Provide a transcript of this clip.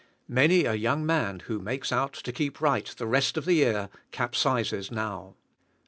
Many a young man who makes out to keep right the rest of the year, capsizes now.